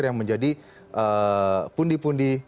yang menjadi pundi pundi